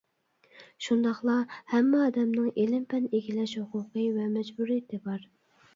شۇنداقلا، ھەممە ئادەمنىڭ ئىلىم-پەن ئىگىلەش ھوقۇقى ۋە مەجبۇرىيىتى بار.